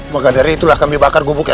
moga dari itulah kami bakar gubuk ini